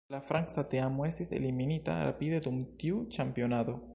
La franca teamo estis eliminita rapide dum tiu ĉampionado.